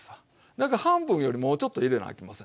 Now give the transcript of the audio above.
だから半分よりもうちょっと入れなあきませんで。